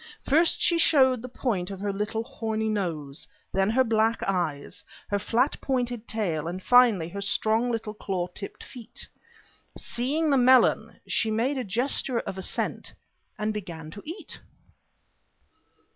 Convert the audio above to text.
First she showed the point of her little horny nose, then her black eyes, her flat pointed tail, and finally her strong little claw tipped feet. Seeing the melon, she made a gesture of assent, and began to eat.